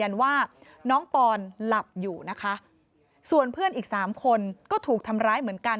ว่าน้องปอนหลับอยู่นะคะส่วนเพื่อนอีกสามคนก็ถูกทำร้ายเหมือนกัน